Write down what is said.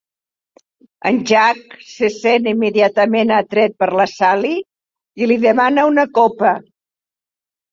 En Jack es sent immediatament atret per la Sally i li demana una copa.